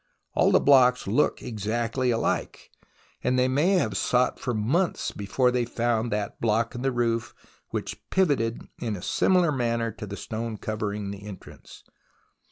All the blocks look exactly alike, and they may have sought for months before they found that block in the roof which pivoted in a similar manner to the stone covering the entrance.